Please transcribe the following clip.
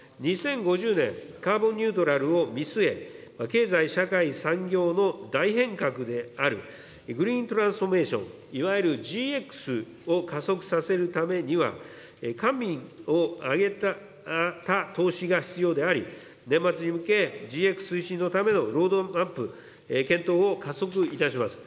２０５０年、カーボンニュートラルを見据え、経済、社会、産業の大変革であるグリーントランスフォーメーション、いわゆるＧＸを加速させるためには、官民を挙げた投資が必要であり、年末に向け、ＧＸ推進のためのロードマップ、検討を加速いたします。